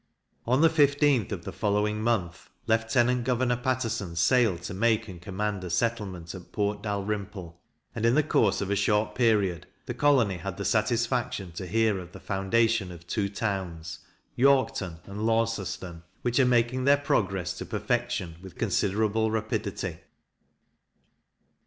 On the 15th of the following month, Lieutenant Governor Paterson sailed to make and command a settlement at Port Dalrymple; and, in the course of a short period, the colony had the satisfaction to hear of the foundation of two towns, Yorkton and Launceston, which are making their progress to perfection with considerable rapidity.